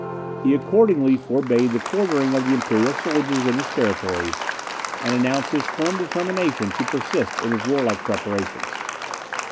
He accordingly forbade the quartering of the imperial soldiers in his territories, and announced his firm determination to persist in his warlike preparations.